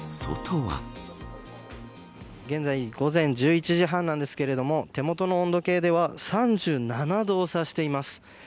現在午前１１時半なんですが手元の温度計では３７度をさしています。